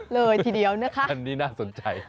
เลยทีเดียวนะคะอันนี้น่าสนใจ